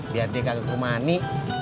biar dia gak ke rumah ani